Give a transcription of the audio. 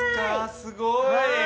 すごい！